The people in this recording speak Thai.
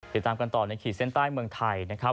ติดตามกันต่อในขีดเส้นใต้เมืองไทยนะครับ